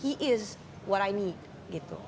dia itu yang aku butuhkan gitu